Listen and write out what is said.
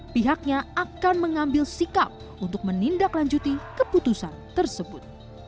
pihaknya akan mengambil sikap untuk menindaklanjuti keputusan tersebut